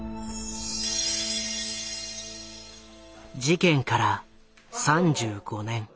事件から３５年。